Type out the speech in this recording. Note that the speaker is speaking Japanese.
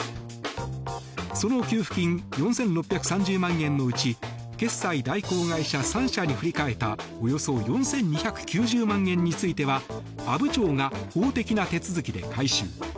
その給付金４６３０万円のうち決済代行会社３社に振り替えたおよそ４２９０万円については阿武町が法的な手続きで回収。